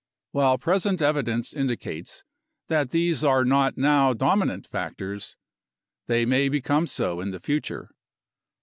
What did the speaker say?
While present evidence indicates that these are not now dominant factors, they may become so in the future.